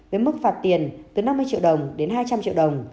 với mức phạt tiền từ năm mươi triệu đồng đến hai trăm linh triệu đồng